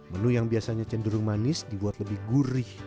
menu yang biasanya cenderung manis dibuat lebih gurih